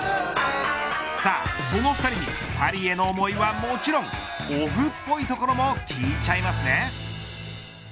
さあ、その２人にパリへの思いはもちろんオフっぽいところも聞いちゃいますね。